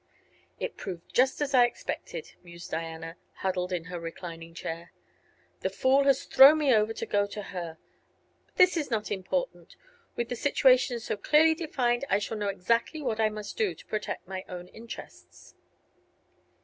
"It proved just as I expected," mused Diana, huddled in her reclining' chair. "The fool has thrown me over to go to her. But this is not important. With the situation so clearly defined I shall know exactly what I must do to protect my own interests."